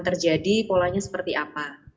terjadi polanya seperti apa